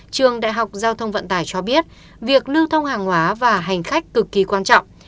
trường đại học giao thông vận tải cho biết việc lưu thông hàng hóa và hành khách cực kỳ quan trọng